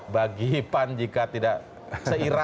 bagi pan jika tidak seirama dan